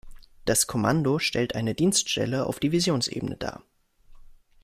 Das Kommando stellte eine Dienststelle auf Divisionsebene dar.